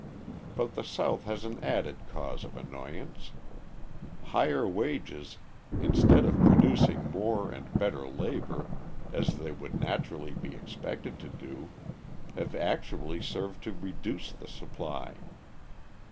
But the South has an added cause of annoyance. Higher wages, instead of producing more and better labour, as they would naturally be expected to do, have actually served to reduce the supply.